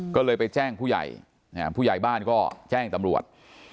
ก็เลยไปแจ้งผู้ใหญ่ผู้ใหญ่บ้านก็แจ้งตำรวจ